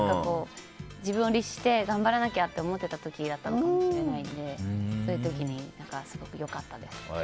自分を律して頑張らなきゃと思っていた時だったかもしれないので、そういう時にすごく良かったです。